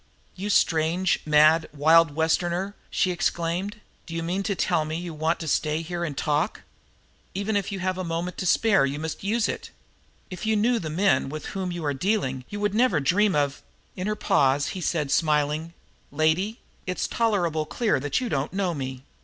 "You strange, mad, wild Westerner!" she exclaimed. "Do you mean to tell me you want to stay here and talk? Even if you have a moment to spare you must use it. If you knew the men with whom you are dealing you would never dream of " In her pause he said, smiling: "Lady, it's tolerable clear that you don't know me.